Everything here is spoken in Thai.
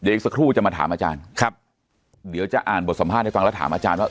อีกสักครู่จะมาถามอาจารย์ครับเดี๋ยวจะอ่านบทสัมภาษณ์ให้ฟังแล้วถามอาจารย์ว่า